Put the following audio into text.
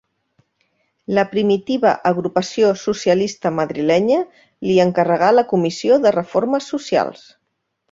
La primitiva Agrupació Socialista Madrilenya li encarregà la Comissió de Reformes Socials.